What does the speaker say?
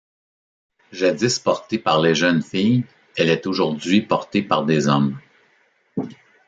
Jadis portée par les jeunes filles, elle est aujourd'hui portée par des hommes.